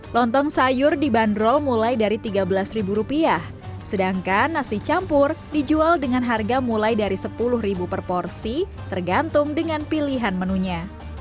lontong sayur dibanderol mulai dari rp tiga belas sedangkan nasi campur dijual dengan harga mulai dari sepuluh per porsi tergantung dengan pilihan menunya